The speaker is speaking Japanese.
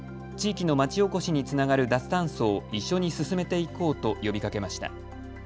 地域の町おこしにつながる脱炭素を一緒に進めていこうと呼びかけました。